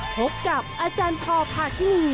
พบกับอาจารย์พอพาทินี